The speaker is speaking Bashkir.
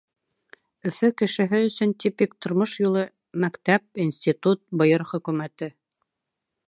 Өфө кешеһе өсөн типик тормош юлы — мәктәп, институт, БР хөкүмәте.